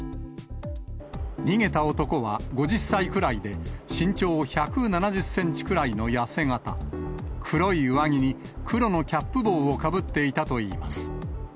逃げた男は５０歳くらいで身長１７０センチくらいの痩せ形、黒い上着に黒のキャップ帽をかぶっていたといいます。